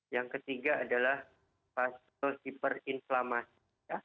yang ketiga adalah fase hiperinflamasi